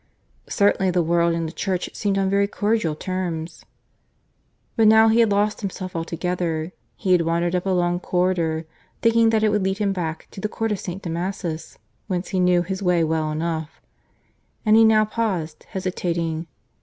Certainly the world and the Church seemed on very cordial terms. ... But now he had lost himself altogether. He had wandered up a long corridor, thinking that it would lead him back to the Court of St. Damasus, whence he knew his way well enough; and he now paused, hesitating.